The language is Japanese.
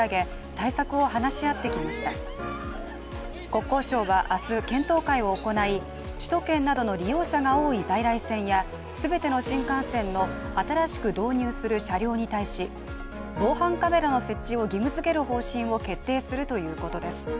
国交省は明日、検討会を行い首都圏などの利用者が多い在来線や全ての新幹線の新しく導入する車両に対し防犯カメラの設置を義務づける方針を決定するということです。